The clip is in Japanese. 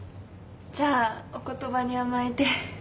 じゃあお言葉に甘えて。